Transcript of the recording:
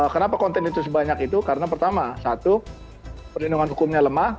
kenapa konten itu sebanyak itu karena pertama satu perlindungan hukumnya lemah